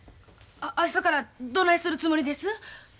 あ明日からどないするつもりです？